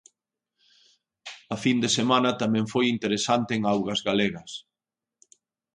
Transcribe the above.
A fin de semana tamén foi interesante en augas galegas.